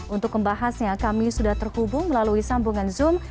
untuk pembahasnya kami sudah terhubung melalui sambungan zoom